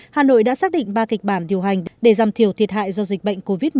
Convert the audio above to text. hà nội đã xác định ba kịch bản điều hành để giảm thiểu thiệt hại do dịch bệnh covid một mươi chín